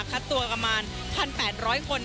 คัดตัวกระมาณ๑๘๐๐คน